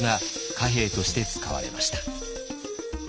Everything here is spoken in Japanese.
貨幣として使われました。